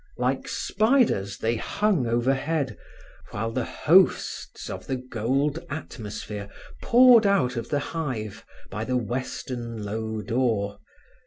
Like spiders they hung overhead, while the hosts of the gold atmosphere poured out of the hive by the western low door.